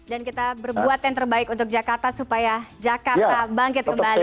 dan kita berbuat yang terbaik untuk jakarta supaya jakarta bangkit kembali